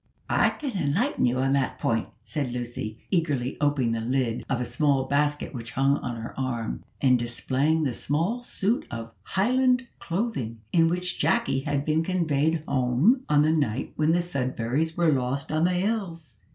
"I can enlighten you on that point," said Lucy, eagerly opening the lid of a small basket which hung on her arm, and displaying the small suit of Highland clothing in which Jacky had been conveyed home on the night when the Sudberrys were lost on the hills.